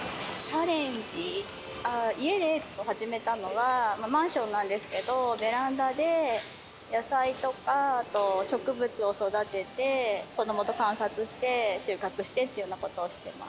家で始めたのは、マンションなんですけど、ベランダで野菜とか、あと植物を育てて、子どもと観察して、収穫してっていうようなことをしてます。